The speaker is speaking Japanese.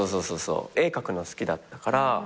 絵描くのが好きだったから。